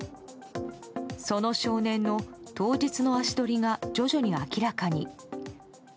その少年の当日の足取りが徐々に明らかに。